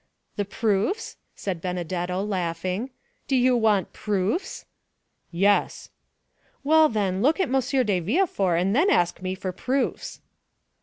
"The proofs?" said Benedetto, laughing; "do you want proofs?" "Yes." "Well, then, look at M. de Villefort, and then ask me for proofs."